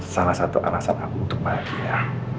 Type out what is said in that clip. salah satu alasan aku untuk bahagia